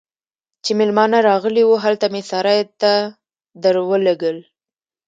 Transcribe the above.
چې مېلمانه راغلي وو، هلته مې سرای ته درولږل.